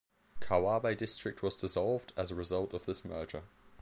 Kawabe District was dissolved as a result of this merger.